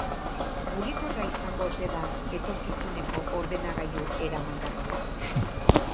Mugikorra izango ote da etorkizuneko ordenagailu eramangarria?